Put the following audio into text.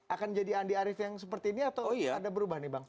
akan jadi andi arief yang seperti ini atau ada berubah nih bang